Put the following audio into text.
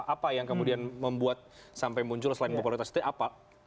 apa yang kemudian membuat sampai muncul selain popularitas itu apa